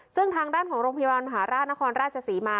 ซึ่งทางด้านของโรงพยาบาลมหาราชนครราชศรีมา